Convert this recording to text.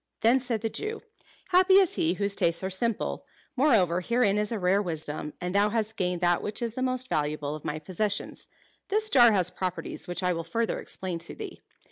Then said the Jew, "Happy is he whose tastes are simple! Moreover, herein is a rare wisdom, and thou hast gained that which is the most valuable of my possessions. This jar has properties which I will further explain to thee.